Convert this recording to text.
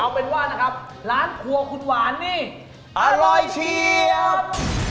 เอาเป็นว่านะครับร้านควงคุณหวานนี่อร่อยเชียบ